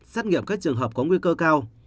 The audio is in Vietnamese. xét nghiệm các trường hợp có nguy cơ cao